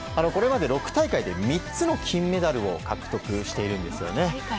これまで６大会で３つの金メダルを獲得してるんですよね。